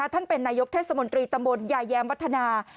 ท่านเป็นนายกเทศมนตรีตำบลยายแย้มวัฒนา